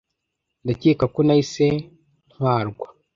Ndakeka ko nahise ntwarwa